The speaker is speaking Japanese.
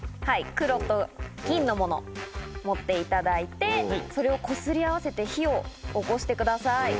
はい黒と銀のもの持っていただいてそれをこすり合わせて火をおこしてください。